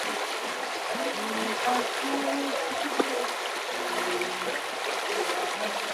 সেখানে আইনশৃঙ্খলা রক্ষায় পুলিশের তৎপরতায় ছবি সামাজিক যোগাযোগ মাধ্যমে ছড়িয়ে পড়েছে।